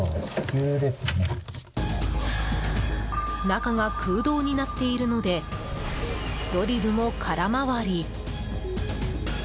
中が空洞になっているのでドリルも空回り。